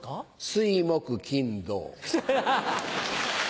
水木金土。